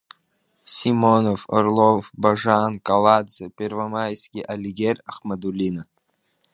Симонов, Орлов, Бажан, Калаӡе, Первомаиски, Алигер, Ахмадулина.